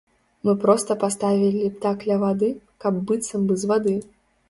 Мы проста паставілі так ля вады, каб быццам бы з вады!